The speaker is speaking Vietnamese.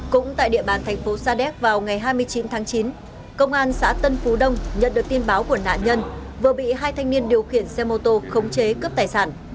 cũng tại địa bàn thành phố sa đéc vào ngày hai mươi chín tháng chín công an xã tân phú đông nhận được tin báo của nạn nhân vừa bị hai thanh niên điều khiển xe mô tô khống chế cướp tài sản